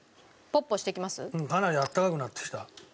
かなり温かくなってきた。